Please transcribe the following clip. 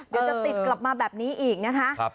เดี๋ยวจะติดกลับมาแบบนี้อีกนะคะ